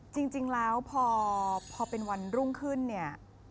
จริงแล้วพอเป็นวันรุ่งขึ้นเนี่ย